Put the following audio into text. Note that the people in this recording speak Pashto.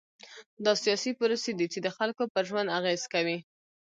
دا سیاسي پروسې دي چې د خلکو پر ژوند اغېز کوي.